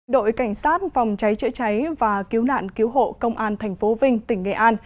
đội cảnh sát phòng cháy chữa cháy và cứu nạn cứu hộ công an tp vinh tỉnh nghệ an